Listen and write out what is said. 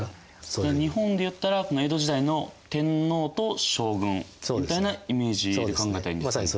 日本でいったら江戸時代の天皇と将軍みたいなイメージで考えたらいいんですか？